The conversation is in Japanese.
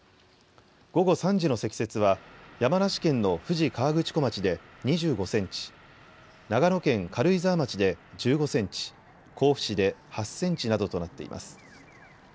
午後３時の積雪は山梨県の富士河口湖町で２５センチ、長野県軽井沢町で１５センチ、甲府市で８センチなどとなっています。